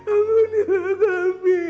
amunilah kami ya allah